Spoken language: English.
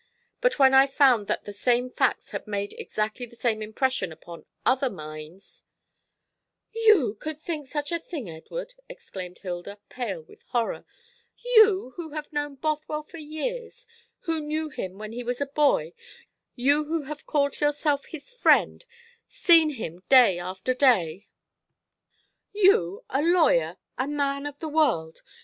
But when I found that the same facts had made exactly the same impression upon other minds " "You could think such a thing, Edward!" exclaimed Hilda, pale with horror. "You, who have known Bothwell for years, who knew him when he was a boy, you who have called yourself his friend, seen him day after day! You, a lawyer, a man of the world!